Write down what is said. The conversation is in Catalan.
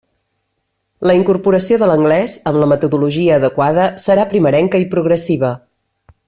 La incorporació de l'anglès, amb la metodologia adequada, serà primerenca i progressiva.